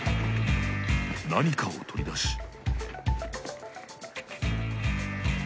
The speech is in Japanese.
何かを取り出し。